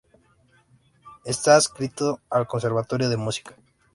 Está adscrito al Conservatorio de Música.